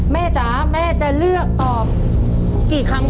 แม่จ๋าแม่จะเลือกออกเสียงต่อเต่าอยู่กี่คำ